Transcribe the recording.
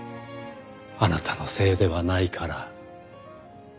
「あなたのせいではないから」